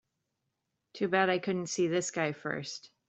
Too bad I couldn't see this guy first.